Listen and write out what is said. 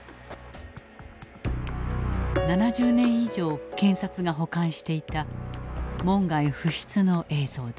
７０年以上検察が保管していた門外不出の映像だ。